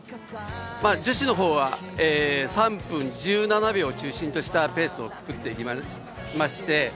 女子の方は３分１７秒を中心としたペースをつくっています。